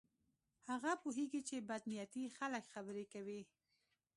هغه پوهیږي چې بد نیتي خلک خبرې کوي.